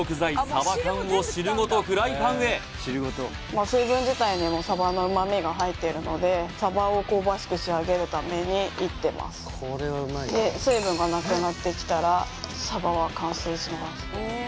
さば缶を汁ごとフライパンへ水分自体にもさばの旨味が入ってるのでさばを香ばしく仕上げるために炒ってますで水分がなくなってきたらさばは完成します